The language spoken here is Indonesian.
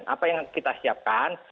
apa yang kita siapkan